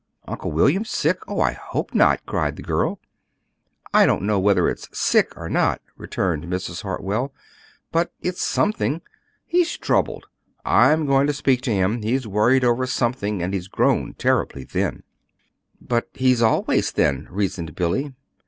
Uncle William sick? Oh, I hope not!" cried the girl. "I don't know whether it's 'sick' or not," returned Mrs. Hartwell. "But it's something. He's troubled. I'm going to speak to him. He's worried over something; and he's grown terribly thin." "But he's always thin," reasoned Billy.